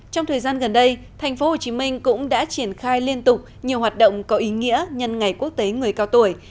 trong thời gian gần đây tp hcm cũng đã triển khai liên tục nhiều hoạt động có ý nghĩa nhân ngày quốc tế người cao tuổi